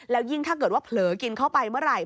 แล้วยิ่งถ้าเกิดว่าเผลอกินเข้าไปเมื่อไหร่